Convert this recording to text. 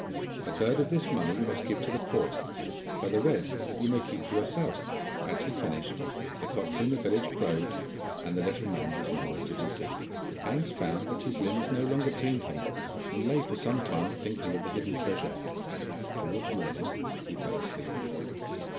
A third of this money you must give to the poor, but the rest you may keep for yourself.' As he finished, the cocks in the village crowed, and the little man was nowhere to be seen. Hans found that his limbs no longer pained him, and lay for some time thinking of the hidden treasure. Towards morning he fell asleep.